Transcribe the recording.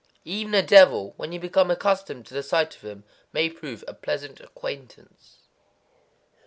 _ Even a devil, when you become accustomed to the sight of him, may prove a pleasant acquaintance.